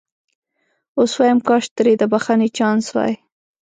اوس وایم کاش ترې د بخښنې چانس وای.